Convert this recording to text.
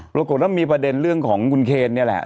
ปรากฏว่ามีประเด็นเรื่องของคุณเคนนี่แหละ